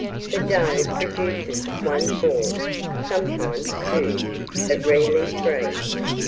The doe produces one fawn, sometimes two, but rarely three.